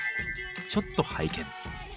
ちょっと拝見。